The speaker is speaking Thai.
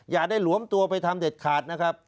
อย่าได้หลวมตัวไปทำเด็ดขาดนะครับ